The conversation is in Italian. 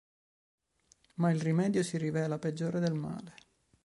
Ma il rimedio si rivela peggiore del male.